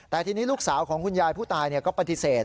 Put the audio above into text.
แต่ทีนี้ลูกสาวของคุณยายผู้ตายก็ปฏิเสธ